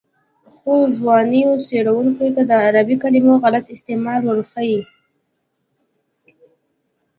خو ځوانو څېړونکو ته د عربي کلمو غلط استعمال ورښيي.